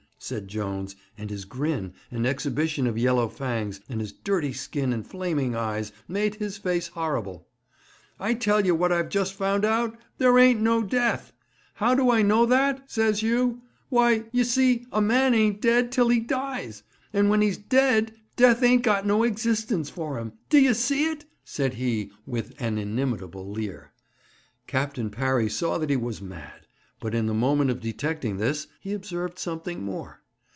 said Jones; and his grin, and exhibition of yellow fangs, and his dirty skin and flaming eyes, made his face horrible. 'I tell ye what I've just found out. There ain't no death! "How do I know that?" says you. Why, ye see, a man ain't dead till he dies, and when he's dead death ain't got no existence for him. D'ye see it?' said he with an inimitable leer. Captain Parry saw that he was mad, but in the moment of detecting this he observed something more.